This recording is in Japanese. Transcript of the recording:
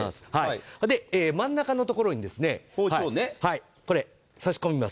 真ん中のところにこれ、差し込みます。